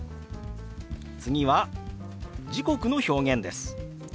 次は時刻の表現です。